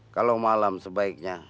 kalau malam sebaiknya